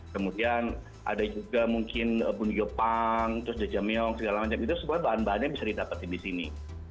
kemudian ada juga mungkin bunyopang terus jajamyeong segala macam itu semua bahan bahannya bisa didapati di sini